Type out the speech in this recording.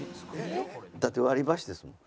だって割り箸ですもん。